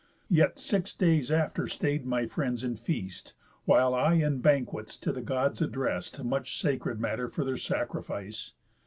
Yet six days after stay'd my friends in feast, While I in banquets to the Gods addrest Much sacred matter for their sacrifice.